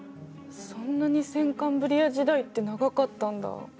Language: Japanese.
そんなに先カンブリア時代って長かったんだ。